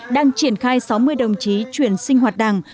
đang triển khai sáu mươi đồng chí chuyển sinh hoạt đảng